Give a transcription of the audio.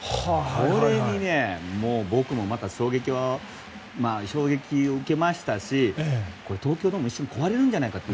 これに僕もまた衝撃を受けましたし東京ドームが一瞬壊れるんじゃないかと。